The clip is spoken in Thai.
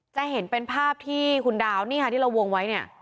จะเห็นเป็นภาพที่คุณดาวนี่ค่ะที่เราวงไว้เนี่ย